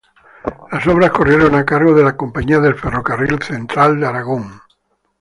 Las obras corrieron a cargo de la Compañía del Ferrocarril Central de Aragón.